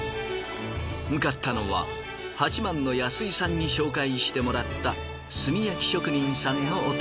向かったのははちまんの安井さんに紹介してもらった炭焼き職人さんのお宅。